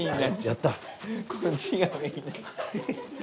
やった！